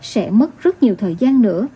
sẽ mất rất nhiều thời gian nữa